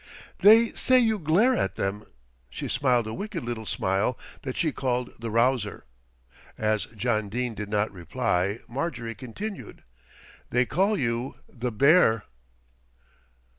"They say you glare at them." She smiled a wicked little smile that she called "the rouser." As John Dene did not reply Marjorie continued: "They call you 'the bear.'"